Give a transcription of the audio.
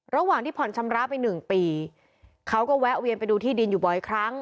ระหว่างที่ผ่อนชำระไปหนึ่งปีเขาก็แวะเวียนไปดูที่ดินอยู่บ่อยครั้ง